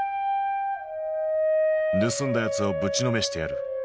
「盗んだやつをぶちのめしてやる！」。